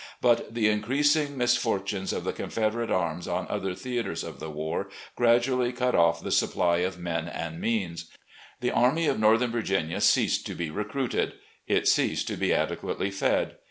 But the increasing misfortunes of the Ojnfederate arms on other theatres of the war gradtially cut off the supply of men and means. The Army of Northern Virginia ceased to be recruited, it ceased to be adequately fed.